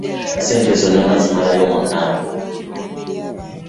Ssente zo zonna nazimalayo munnange.